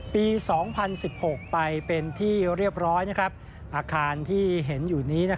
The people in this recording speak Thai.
ปี๒๐๑๖ไปเป็นที่เรียบร้อยอาคารที่เห็นอยู่นี้